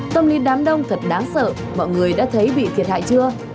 tâm lý đám đông thật đáng sợ mọi người đã thấy bị thiệt hại chưa